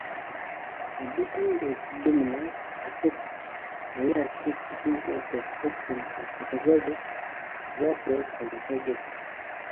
The degree of dominance affects the relative importance of selection on heterozygotes versus homozygotes.